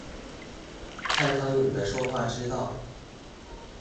蔡康永的說話之道